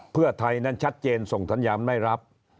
เพื่อไทยนั้นชัดเจนส่งสัญญาณไม่รับ